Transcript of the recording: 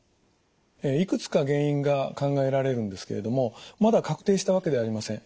いくつか原因が考えられるんですけれどもまだ確定したわけではありません。